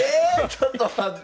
ちょっと待って！